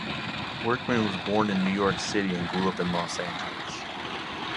Workman was born in New York City and grew up in Los Angeles.